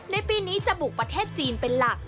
ในปีนี้จะบุกประเทศจีนเป็นหลัก